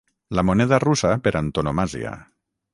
La moneda russa per antonomàsia.